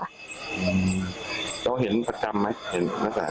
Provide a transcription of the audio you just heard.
แล้วเห็นประจำไหม